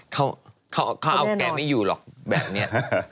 เขาเอาแกไม่อยู่หรอกแบบนี้